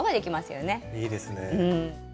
いいですね。